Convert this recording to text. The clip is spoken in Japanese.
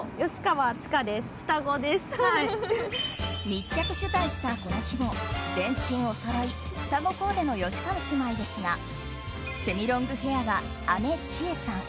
密着取材したこの日も全身おそろい双子コーデの吉川姉妹ですがセミロングヘアーが姉ちえさん